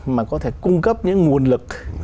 mà có thể cung cấp những nguồn lực